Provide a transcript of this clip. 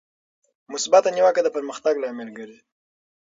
مثبته نیوکه د پرمختګ لامل ګرځي.